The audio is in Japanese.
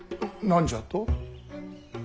何じゃと？